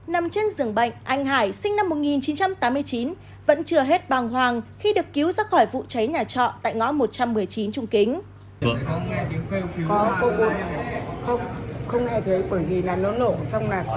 nằm trên giường bệnh anh hải sinh năm một nghìn chín trăm tám mươi chín vẫn chưa hết bàng hoàng khi được cứu ra khỏi vụ cháy nhà trọ tại ngõ một trăm một mươi chín trung kính